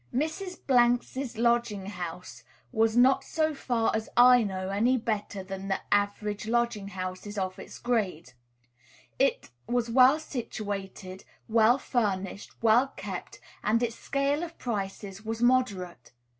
Mrs. 's lodging house was not, so far as I know, any better than the average lodging houses of its grade. It was well situated, well furnished, well kept, and its scale of prices was moderate.